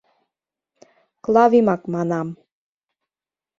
Клавимак манам.